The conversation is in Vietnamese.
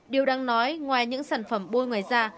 điều đang nói ngoài những sản phẩm bôi ngoài da